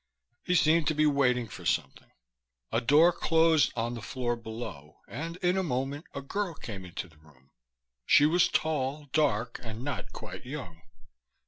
He seemed to be waiting for something. A door closed on the floor below, and in a moment a girl came into the room. She was tall, dark and not quite young.